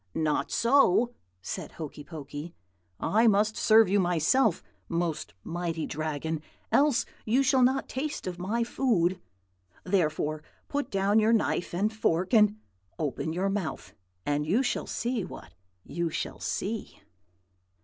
"'Not so,' said Hokey Pokey. 'I must serve you myself, most mighty Dragon, else you shall not taste of my food. Therefore put down your knife and fork, and open your mouth, and you shall see what you shall see.'